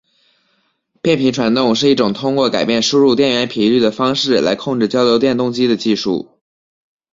变频传动是一种通过改变输入电源频率的方式来控制交流电动机的技术。